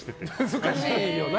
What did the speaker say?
難しいよな。